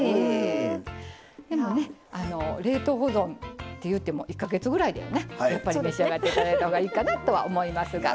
でもね冷凍保存っていうても１か月ぐらいでね召し上がって頂いたほうがいいかなとは思いますが。